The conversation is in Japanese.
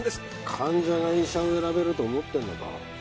患者が医者を選べると思ってるのか。